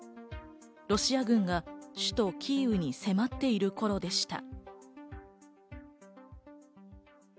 ロシア軍が首都キーウに迫っている頃でした。